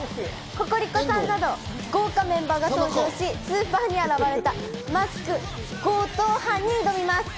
ココリコさんなど豪華メンバーが登場し、スーパーに現れたマスク強盗犯に挑みます。